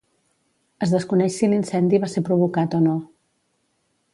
Es desconeix si l'incendi va ser provocat o no.